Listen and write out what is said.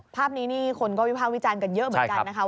ภาพนี้นี่คนก็วิภาควิจารณ์กันเยอะเหมือนกันนะคะ